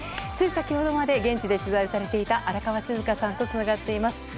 つい先ほどまで現地で取材されていた荒川静香さんとつながっています。